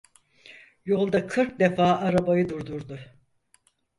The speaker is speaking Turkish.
Yolda kırk defa arabayı durdurdu.